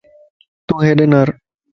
تون ھيڏي نار